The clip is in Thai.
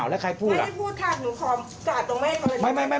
อ้าวแล้วใครพูดล่ะไม่ได้พูดทักหนูขอตรงแว่นเขาเลย